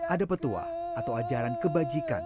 ada petua atau ajaran kebajikan